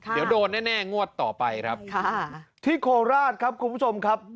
เดี๋ยวโดนแน่งวดต่อไปครับค่ะที่โคราชครับคุณผู้ชมครับ